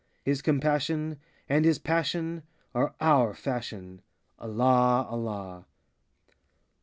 His compassion And his passion Are our fashion,— Allah, Allah!